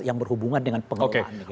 yang berhubungan dengan pengelolaan